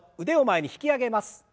腕を前に引き上げます。